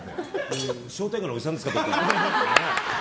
商店街のおじさんですか？